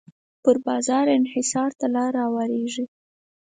پر بازار انحصار ته لاره هواریږي.